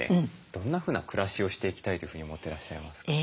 どんなふうな暮らしをしていきたいというふうに思ってらっしゃいますか？